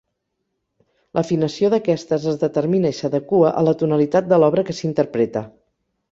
L'afinació d'aquestes es determina i s'adequa a la tonalitat de l'obra que s'interpreta.